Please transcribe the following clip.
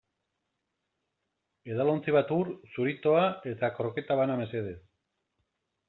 Edalontzi bat ur, zuritoa eta kroketa bana, mesedez.